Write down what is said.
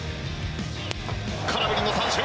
空振りの三振！